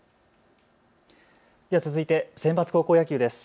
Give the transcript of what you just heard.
続いてセンバツ高校野球です。